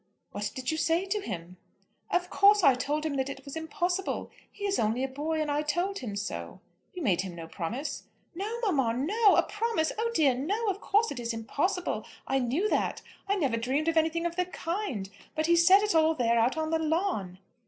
"What did you say to him?" "Of course I told him that it was impossible. He is only a boy, and I told him so." "You made him no promise." "No, mamma; no! A promise! Oh dear no! Of course it is impossible. I knew that. I never dreamed of anything of the kind; but he said it all there out on the lawn."